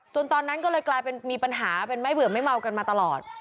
ตอนนั้นก็เลยกลายเป็นมีปัญหาเป็นไม่เบื่อไม่เมากันมาตลอด